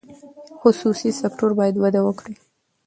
خصوصي سکتور باید وده وکړي.